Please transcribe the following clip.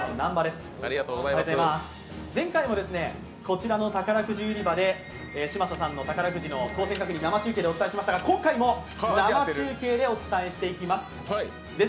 前回もこちらの宝くじ売り場で嶋佐さんの宝くじ当選確認生中継でお伝えしましたが今回も生中継でお伝えします。